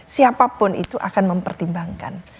siapapun itu akan mempertimbangkan